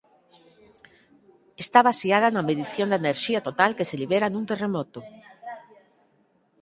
Está baseada na medición da enerxía total que se libera nun terremoto.